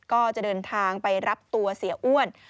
ก็จะเดินทางไปรับตัวเสียอ้วน